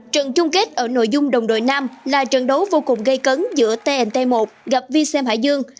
trận chung kết ở nội dung đồng đội nam là trận đấu vô cùng gây cấn giữa tnt một gặp vi xem hải dương